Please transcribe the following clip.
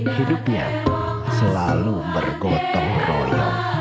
hidupnya selalu bergotong royong